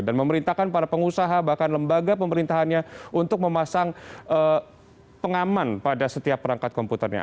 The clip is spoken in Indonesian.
dan memerintahkan para pengusaha bahkan lembaga pemerintahannya untuk memasang pengaman pada setiap perangkat komputernya